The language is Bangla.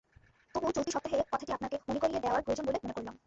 তবু চলতি সপ্তাহে কথাটি আপনাকে মনে করিয়ে দেওয়া প্রয়োজন বলে মনে করলাম।